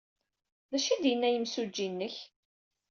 D acu ay d-yenna yimsujji-nnek?